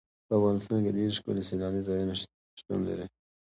په افغانستان کې ډېر ښکلي سیلاني ځایونه شتون لري.